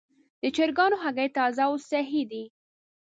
د چرګانو هګۍ تازه او صحي دي.